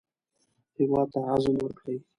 هېواد ته عزم ورکړئ